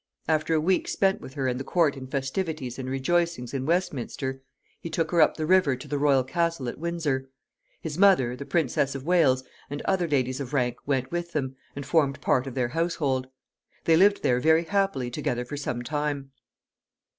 After a week spent with her and the court in festivities and rejoicings in Westminster, he took her up the river to the royal castle at Windsor. His mother, the Princess of Wales, and other ladies of rank, went with them, and formed part of their household. They lived here very happily together for some time.